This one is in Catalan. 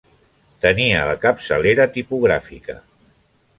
Tenia la capçalera tipogràfica.